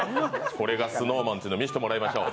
これがＳｎｏｗＭａｎというのを見せてもらいましょう。